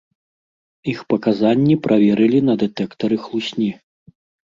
Іх паказанні праверылі на дэтэктары хлусні.